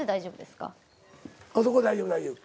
そこで大丈夫大丈夫。